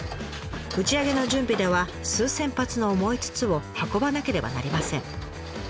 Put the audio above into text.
打ち上げの準備では数千発の重い筒を運ばなければなりません。